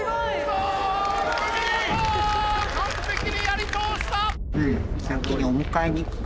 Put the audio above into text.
完璧にやりとおした！